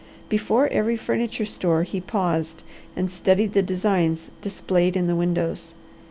Before every furniture store he paused and studied the designs displayed in the windows.